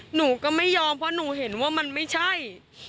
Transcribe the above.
หนูก็ไม่ยอมเพราะหนูเห็นว่ามันไม่ใช่